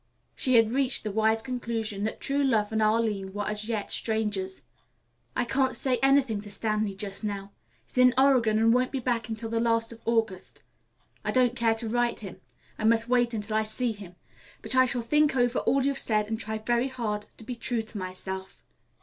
She had reached the wise conclusion that true love and Arline were as yet strangers. "I can't say anything to Stanley just now. He's in Oregon and won't be back until the last of August. I don't care to write him. I must wait until I see him. But I shall think over all you've said and try very hard to be true to myself."